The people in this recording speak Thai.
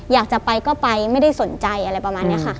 อยากจะไปก็ไปไม่ได้สนใจอะไรประมาณนี้ค่ะ